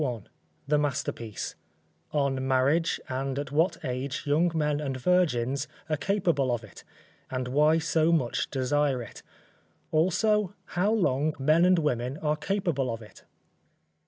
BOOK I THE MASTERPIECE _On marriage and at what age young men and virgins are capable of it: and why so much desire it. Also, how long men and women are capable of it.